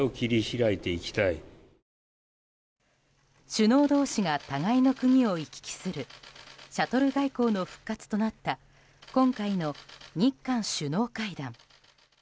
首脳同士が互いの国を行き来するシャトル外交の復活となった今回の日韓首脳会談。